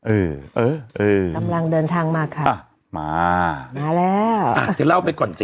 เออเออกำลังเดินทางมาค่ะอ่ะมามาแล้วอ่ะจะเล่าไปก่อนจ้